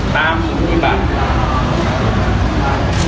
ตามผู้บัด